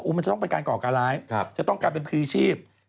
มันจะต้องเป็นการก่อการร้ายจะต้องการเป็นพรีชีพ